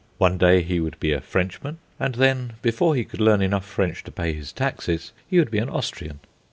One day he would be a Frenchman, and then before he could learn enough French to pay his taxes he would be an Austrian.